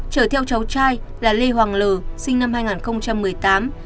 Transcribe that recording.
chở theo cháu trai là lê hoàng lừ sinh năm hai nghìn một mươi tám